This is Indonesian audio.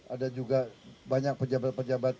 ada juga banyak pejabat pejabat